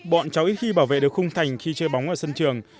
bọn cháu ít khi bảo vệ được khung thành khi chơi bóng ở sân trường